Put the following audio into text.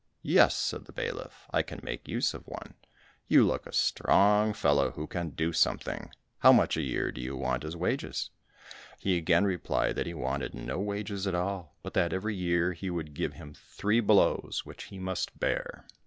"Yes," said the bailiff, "I can make use of one; you look a strong fellow who can do something, how much a year do you want as wages?" He again replied that he wanted no wages at all, but that every year he would give him three blows, which he must bear.